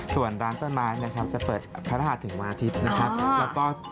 ส่วนร้านต้นไม้นะครับจะเปิดพระราชถึงวันอาทิตย์นะครับแล้วก็